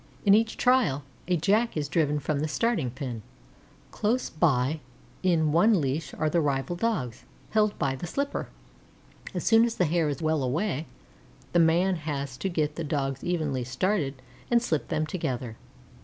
In each trial, a Jack is driven from the Starting pen; close by in one leash are the rival Dogs, held by the slipper. As soon as the Hare is well away, the man has to get the Dogs evenly started and slip them together.